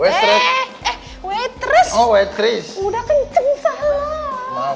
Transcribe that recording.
weh terus udah kenceng